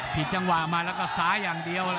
ผิดจังหวะมาแล้วก็ซ้ายอย่างเดียว